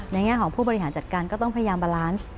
แง่ของผู้บริหารจัดการก็ต้องพยายามบาลานซ์